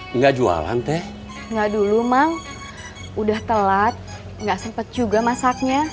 enggak jualan teh enggak dulu mang udah telat nggak sempet juga masaknya